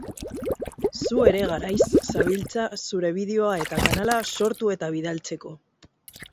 Zu ere garaiz zabiltza zure bideoa eta kanala sortu eta bidaltzeko.